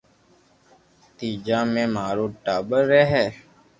تيجا مي مارو ٽاٻر رھي ھي